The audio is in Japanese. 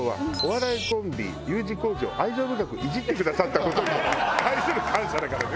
お笑いコンビＵ字工事を愛情深くイジってくださった事に対する感謝だからね